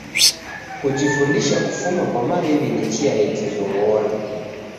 Kujifundisha kufuma kwa maw'iw'i, ni chia yejizoghora.